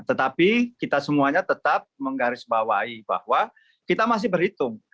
tetapi kita semuanya tetap menggarisbawahi bahwa kita masih berhitung